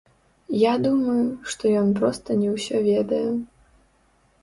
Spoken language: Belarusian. Я думаю, што ён проста не ўсё ведае.